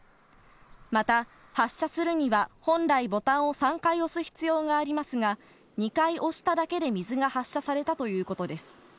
また、発射するには本来ボタンを３回押す必要がありますが、２回押しただけで水が発射されたということです。